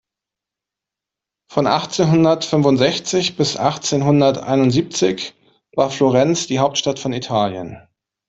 Von achtzehnhundertfünfundsechzig bis achtzehnhunderteinundsiebzig war Florenz die Hauptstadt von Italien.